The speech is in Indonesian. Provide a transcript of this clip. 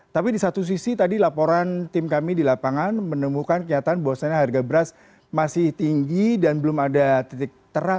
tapi di satu sisi tadi laporan tim kami di lapangan menemukan kenyataan bahwasannya harga beras masih tinggi dan belum ada titik terang kapan kira kira turun